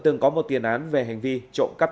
từng có một tiền án về hành vi trộm cắp